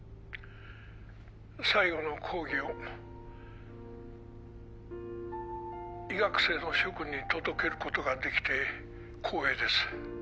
最後の講義を医学生の諸君に届けることができて光栄です